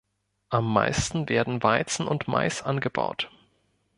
Am meisten werden Weizen und Mais angebaut.